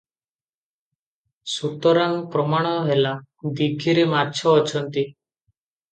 ସୁତରାଂ ପ୍ରମାଣ ହେଲା, ଦୀଘିରେ ମାଛ ଅଛନ୍ତି ।